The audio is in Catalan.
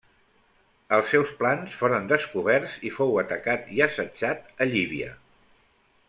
Els seus plans foren descoberts i fou atacat i assetjat a Llívia.